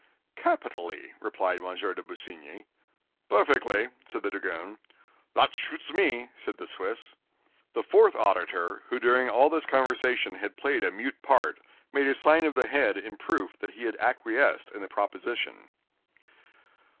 "Capitally," replied M. de Busigny. "Perfectly," said the dragoon. "That shoots me," said the Swiss. The fourth auditor, who during all this conversation had played a mute part, made a sign of the head in proof that he acquiesced in the proposition.